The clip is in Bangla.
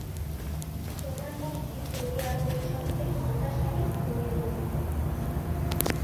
প্রধান মুফতি সৌদি আরবের সবচেয়ে ক্ষমতাশালী ধর্মীয় কর্তৃপক্ষ।